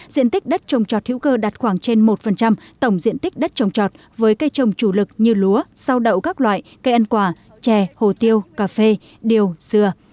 diện tích đất trồng trọt hữu cơ đạt khoảng trên một tổng diện tích đất trồng trọt với cây trồng chủ lực như lúa rau đậu các loại cây ăn quả chè hồ tiêu cà phê điều dừa